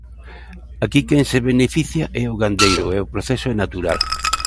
Aquí quen se beneficia é o gandeiro e o proceso é natural.